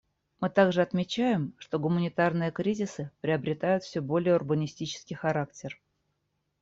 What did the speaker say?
Мы также отмечаем, что гуманитарные кризисы приобретают все более урбанистический характер.